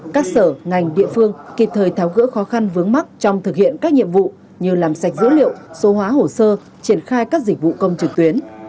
các sở ngành địa phương kịp thời tháo gỡ khó khăn vướng mắt trong thực hiện các nhiệm vụ như làm sạch dữ liệu số hóa hồ sơ triển khai các dịch vụ công trực tuyến